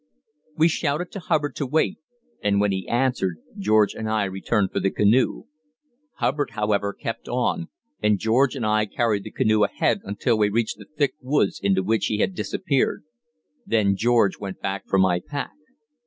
We shouted to Hubbard to wait, and when he answered, George and I returned for the canoe. Hubbard, however, kept on, and George and I carried the canoe ahead until we reached the thick woods into which he had disappeared; then George went back for my pack.